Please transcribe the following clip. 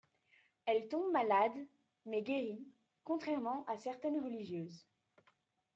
Elle tombe malade, mais guérit, contrairement à certaines religieuses.